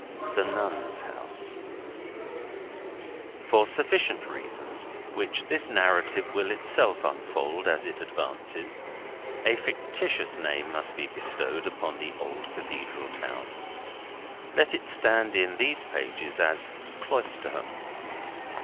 THE NUNS' HOUSE For sufficient reasons, which this narrative will itself unfold as it advances, a fictitious name must be bestowed upon the old Cathedral town. Let it stand in these pages as Cloisterham.